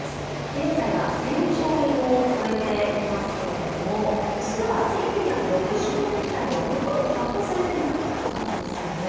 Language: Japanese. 現在は１０００兆円を超えていますけれども、実は１９６０年代にはほとんど発行されていなかったんですよね。